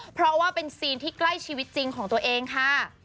เพราะว่าเป็นซีนที่ใกล้ชิดจริงของตัวเองค่ะ